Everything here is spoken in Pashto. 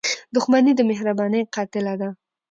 • دښمني د مهربانۍ قاتله ده.